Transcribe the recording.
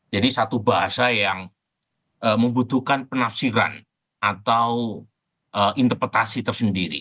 jadi satu bahasa yang membutuhkan penafsiran atau interpretasi tersendiri